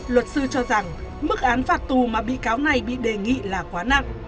luật sư cho rằng mức án phạt tù mà bị cáo này bị đề nghị là quá nặng